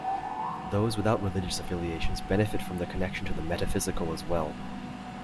Those without religious affiliations benefit from the connection to the metaphysical as well.